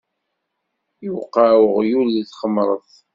Iwqeɛ uɣyul di txemṛet.